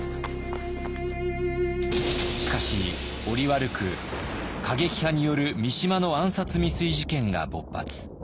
しかし折悪く過激派による三島の暗殺未遂事件が勃発。